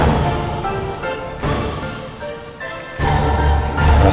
sampai jumpa lagi